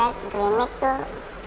kemudian saya di klinik tuh